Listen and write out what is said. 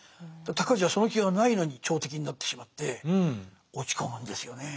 尊氏はその気がないのに朝敵になってしまって落ち込むんですよね。